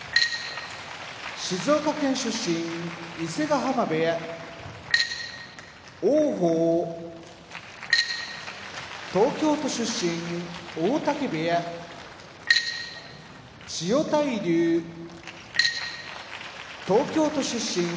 静岡県出身伊勢ヶ浜部屋王鵬東京都出身大嶽部屋千代大龍東京都出身